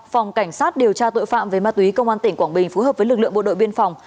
phòng cảnh sát điều tra tội phạm về ma túy công an tỉnh quảng bình phối hợp với lực lượng bộ đội biên phòng